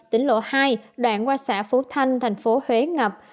tỉnh lộ hai đoạn qua xã phú thanh thành phố huế ngập